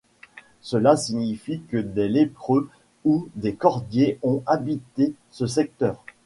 Cela signifie que des lépreux ou des cordiers ont habité ce secteur.